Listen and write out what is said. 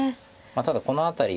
ただこのあたり。